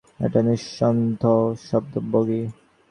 এটা নিঃশব্দ বগি।